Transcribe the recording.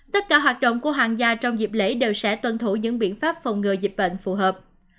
tất cả hoạt động của hàng gia trong dịp lễ đều sẽ tuân thủ những biện pháp phòng ngừa dịch bệnh phù hợp